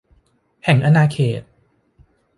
แห่งอาณาเขต